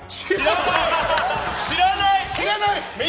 知らない？